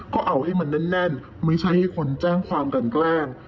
ก็เอาให้มันแน่นไม่ใช่ให้คนแจ้งความกันแกล้ง